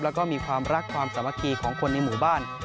แล้วก็มีความรักความสามัคคีของคนในหมู่บ้าน